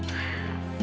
berhasil juga jebakan gue